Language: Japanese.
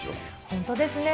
本当ですね。